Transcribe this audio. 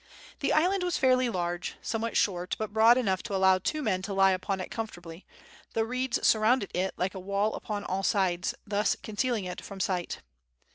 The island was fairly large, somewhat short, but broad enough to allow two men to lie upon it comfortably, the reeds surrounded it like a wall upon all sides, thus concealing it from sight.